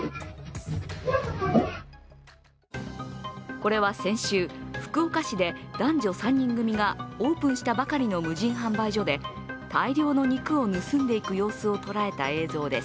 これは先週、福岡市で男女３人組がオープンしたばかりの無人販売所で大量の肉を盗んでいく様子を捉えた映像です。